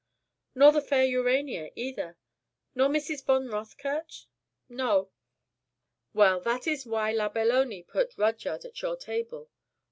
"Nor the fair Urania either? Nor Mrs. von Rothkirch?" "No." "Well, that is why la Belloni put Rudyard at your table.